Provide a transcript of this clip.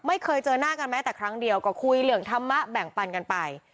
ไม่เคยเจอหน้ากันแม้แต่ครั้งเดียวก็คุยเรื่องธรรมะแบ่งปันกันไป